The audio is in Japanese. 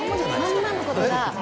まんまのことが。